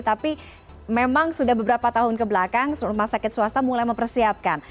tapi memang sudah beberapa tahun kebelakang rumah sakit swasta mulai mempersiapkan